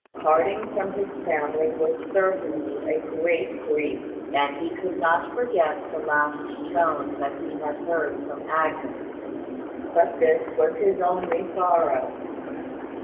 Parting from his family was certainly a great grief; and he could not forget the last tone he had heard from Agnes. But this was his only sorrow.